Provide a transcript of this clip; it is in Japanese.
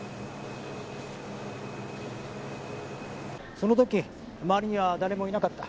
その時周りには誰もいなかった？